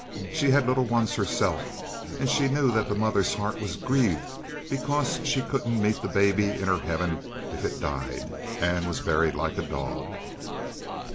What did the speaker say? She had little ones herself, and she knew that the mother's heart was grieved because she couldn't meet the baby in her heaven if it died and was buried like a dog.